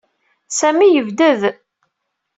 Sami yebded.